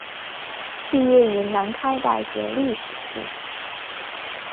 毕业于南开大学历史系。